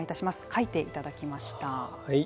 書いていただきました。